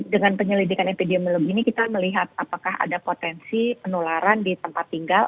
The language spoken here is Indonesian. dengan penyelidikan epidemiologi ini kita melihat apakah ada potensi penularan di tempat tinggal